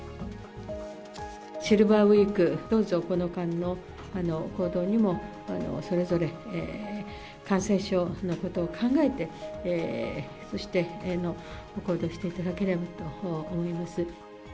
シルバーウィーク、どうぞこの間の行動にも、それぞれ感染症のことを考えて、そして行動していただければと思います。